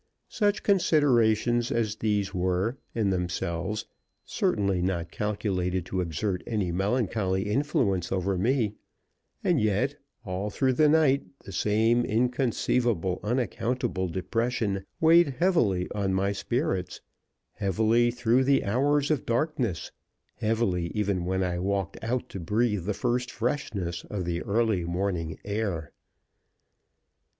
Such considerations as these were, in themselves, certainly not calculated to exert any melancholy influence over me; and yet, all through the night, the same inconceivable, unaccountable depression weighed heavily on my spirits heavily through the hours of darkness heavily, even when I walked out to breathe the first freshness of the early morning air.